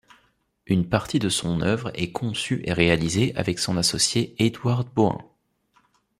Une partie de son œuvre est conçue et réalisée avec son associé Édouard Bauhain.